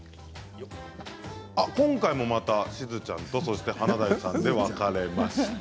今回もまた、しずちゃんと華大さんで別れました。